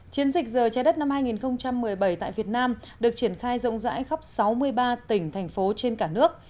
chiến dịch giờ trái đất năm hai nghìn một mươi bảy tại việt nam được triển khai rộng rãi khắp sáu mươi ba tỉnh thành phố trên cả nước